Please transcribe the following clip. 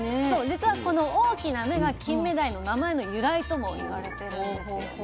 そう実はこの大きな目がキンメダイの名前の由来とも言われてるんですよね。